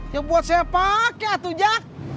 ya buat saya pake atu jak